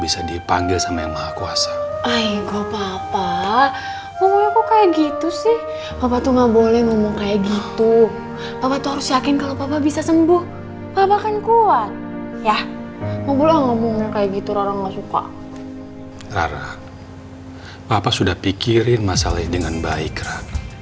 sampai jumpa di video selanjutnya